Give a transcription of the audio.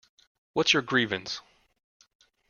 What’s your grievance?